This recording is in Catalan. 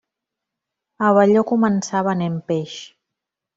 Abelló començà venent peix.